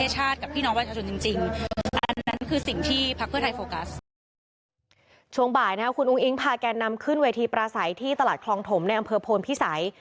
ช่วงบ่ายคุณอุ้งอิ๊งพาแกนนำขึ้นเวทีปราศัยที่ตลาดคลองถมในอำเภอโพนพิสัย